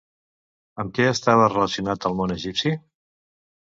Amb què estava relacionat al món egipci?